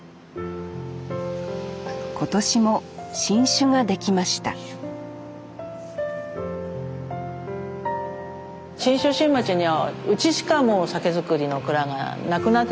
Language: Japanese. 今年も新酒が出来ました信州新町にはうちしかもう酒造りの蔵がなくなってたんですね。